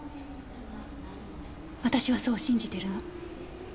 私はそう信じてるの。